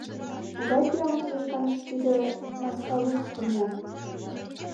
Могай пиалым тудо шканже тиде маска лукышто муын?..